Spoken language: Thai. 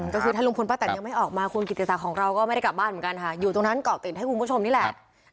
ก็คือถ้าลุงพลป้าแตนยังไม่ออกมาคุณกิติศักดิ์ของเราก็ไม่ได้กลับบ้านเหมือนกันค่ะอยู่ตรงนั้นเกาะติดให้คุณผู้ชมนี่แหละ